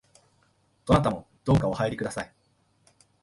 どなたもどうかお入りください